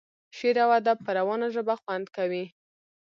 شعر او ادب په روانه ژبه خوند کوي.